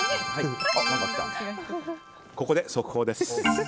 ここで速報です。